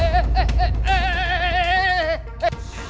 ya ampun emang